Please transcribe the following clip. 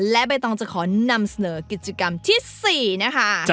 และใบตองจะขอนำเสนอกิจกรรมที่๔นะคะ